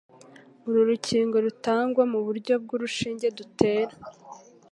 uru rukingo rutangwa mu buryo bw'urushinge dutera